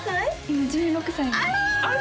今１６歳ですあら！